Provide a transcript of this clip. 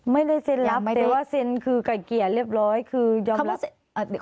ไม่ได้เซ็นรับแต่ว่าเซ็นคือไก่เกลี่ยเรียบร้อยคือยอมรับ